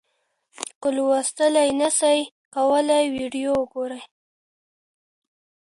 که لوستل نسئ کولای ویډیو وګورئ.